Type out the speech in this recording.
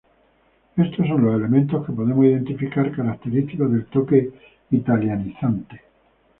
Estos son los elementos que podemos identificar característicos del toque "italianizante".